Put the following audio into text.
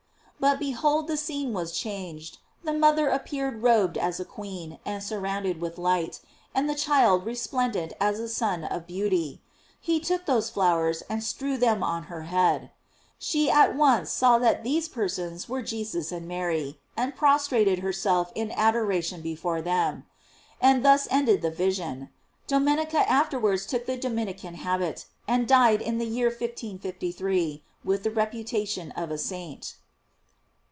But be hold the scene was changed; the mother appear ed robed as a queen, and surrounded with light, and the child resplendent as a sun of beauty. He took those flowers and strewed them on her head. She at once saw that these persons were Jesus arid Mary, and prostrated herself in ador ation before them. And thus ended the vision. Domenica afterwards took the Dominican hab it, and died in the year 1553, with the reputa tion of a saint.